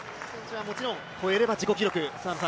越えれば、自己記録。